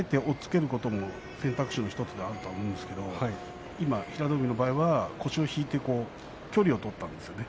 けることも選択肢の１つだと思うんですけれど平戸海の場合には腰を引いて距離を取ったんですね。